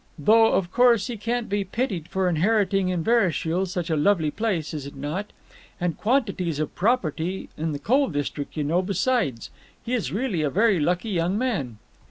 Though of course he can't be pitied for inheriting Inverashiel, such a lovely place, is it not? And quantities of property in the coal district, you know, besides. He is really a very lucky young man."